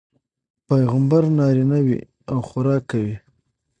پيغمبر نارينه وي او خوراک کوي